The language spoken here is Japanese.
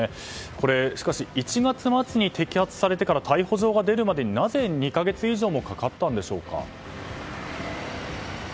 これ、しかし１月末に摘発されてから逮捕状が出るまでになぜ２か月以上もかかったんでしょうか。